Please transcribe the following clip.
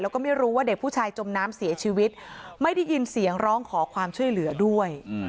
แล้วก็ไม่รู้ว่าเด็กผู้ชายจมน้ำเสียชีวิตไม่ได้ยินเสียงร้องขอความช่วยเหลือด้วย